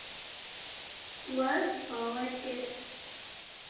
We bawer kir.